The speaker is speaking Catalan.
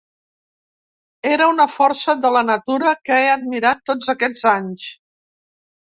Era una força de la natura que he admirat tots aquest anys.